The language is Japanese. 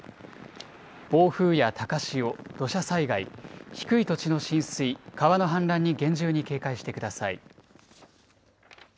暴風や高潮、土砂災害、低い土地の浸水、川の氾濫に厳重に警戒してください。